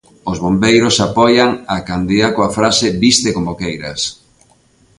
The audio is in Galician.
Os bombeiros apoian a Candia coa frase Viste como queiras.